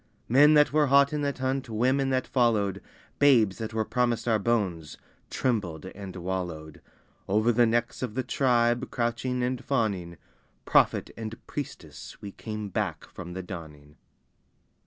Men that were hot in that hunt, women that followed, Babes that were promised our bones, trembled and wallowed: Over the necks of the tribe crouching and fawning Prophet and priestess we came back from the dawning!